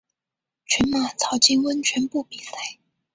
群马草津温泉部比赛。